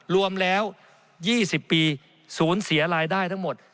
รวมแล้ว๒๐ปีศูนย์เสียรายได้ทั้งหมด